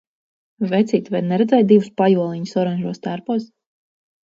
Vecīt, vai neredzēji divus pajoliņus oranžos tērpos?